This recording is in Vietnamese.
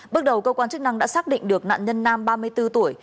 bước đầu cơ quan chức năng đã xác định được nạn nhân nam ba mươi bốn tuổi